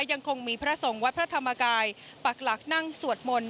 ยังคงมีพระสงฆ์วัดพระธรรมกายปักหลักนั่งสวดมนต์